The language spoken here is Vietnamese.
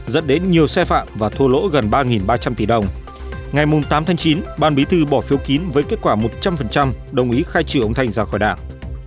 dẫn đến nhiều xe phạm và thua lỗ gần ba ba trăm linh tỷ đồng ngày tám tháng chín ban bí thư bỏ phiếu kín với kết quả một trăm linh đồng ý khai trừ ông thanh ra khỏi đảng